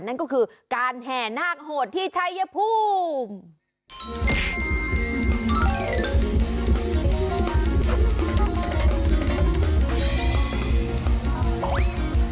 นั่นก็คือการแห่นาคโหดที่ชัยภูมิ